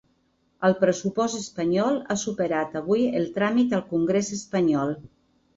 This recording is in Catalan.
El pressupost espanyol ha superat avui el tràmit al congrés espanyol.